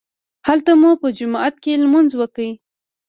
هلته مو په جومات کې لمونځ وکړ.